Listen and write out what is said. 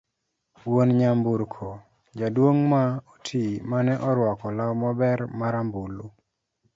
wuon nyamburko, jaduong' ma oti mane orwako law maber ma rambulu